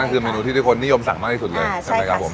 นั่นคือเมนูที่ทุกคนนิยมสั่งมากที่สุดเลยอ่าใช่ค่ะใช่ค่ะ